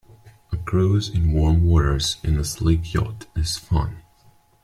A cruise in warm waters in a sleek yacht is fun.